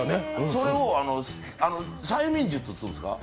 それを催眠術っていうんですか